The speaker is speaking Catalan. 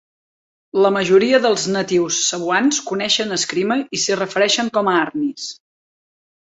La majoria dels natius cebuans coneixen Eskrima i s'hi refereixen com a "Arnis".